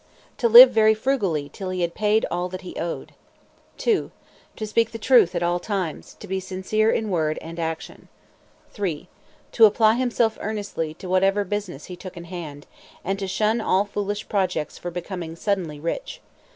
To live very frugally till he had paid all that he owed. 2. To speak the truth at all times; to be sincere in word and action. 3. To apply himself earnestly to whatever business he took in hand; and to shun all foolish projects for becoming suddenly rich.